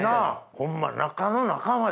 ホンマ。